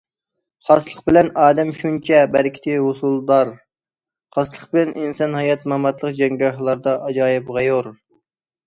خاسلىق بىلەن ئادەم شۇنچە بەرىكىتى ھوسۇلدار، خاسلىق بىلەن ئىنسان ھايات ماماتلىق جەڭگاھلاردا ئاجايىپ غەيۇر.